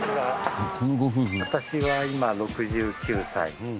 私は今６９歳。